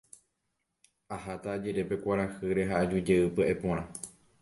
Aháta ajere pe kuarahýre ha ajujey pya'e porã.